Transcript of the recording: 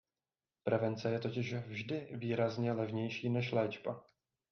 Prevence je totiž vždy výrazně levnější než léčba.